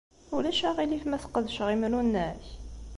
Ulac aɣilif ma sqedceɣ imru-nnek?